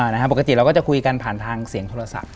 ปกติเราก็จะคุยกันผ่านทางเสียงโทรศัพท์